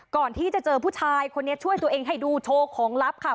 ก่อนที่จะเจอผู้ชายคนนี้ช่วยตัวเองให้ดูโชว์ของลับค่ะ